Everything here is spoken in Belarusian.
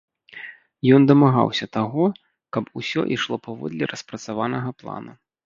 Ён дамагаўся таго, каб усё ішло паводле распрацаванага плана.